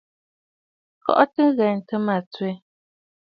Kɔʼɔtə ŋghɛntə mə tswe.